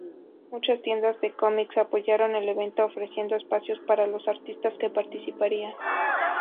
Muchas tiendas de cómics apoyaron el evento ofreciendo espacios para los artistas que participarían.